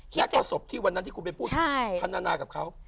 แล้วก็ศพที่วันนั้นที่คุณไปพูดพันนานากับเขา